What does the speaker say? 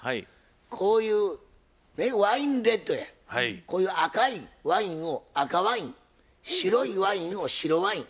こういうワインレッドやこういう赤いワインを赤ワイン白いワインを白ワイン。